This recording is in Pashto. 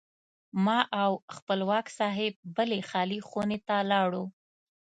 ما او خپلواک صاحب بلې خالي خونې ته لاړو.